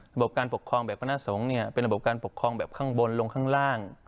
ระบบการปกครองแบบพนักสงฆ์เนี่ยเป็นระบบการปกครองแบบข้างบนลงข้างล่าง